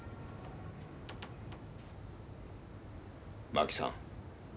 真紀さん